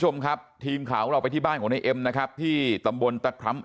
คุณผู้ชมครับทีมข่าวของเราไปที่บ้านของในเอ็มนะครับที่ตำบลตะคร้ำ